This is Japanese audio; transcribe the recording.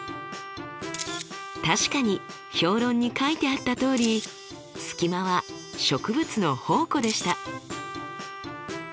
確かに評論に書いてあったとおりスキマは植物の宝庫でした。